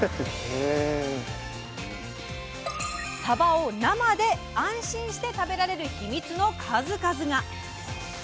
サバを生で安心して食べられるヒミツの数々が！